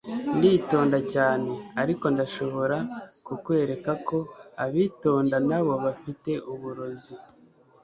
nditonda cyane ariko ndashobora kukwereka ko abitonda nabo bafite uburozi